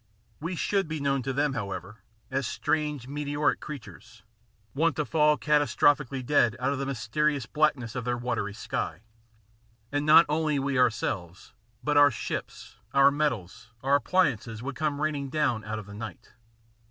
We should be known to them, however, as strange, meteoric creatures, wont to fall catastrophically dead out of the mysterious blackness of their watery sky. And not only we ourselves, but our ships, our metals, our appliances, would come raining down out of the night.